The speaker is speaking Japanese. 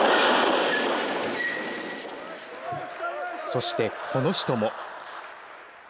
そして、この人も。